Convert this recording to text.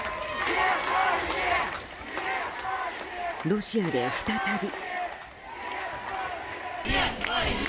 ロシアで再び。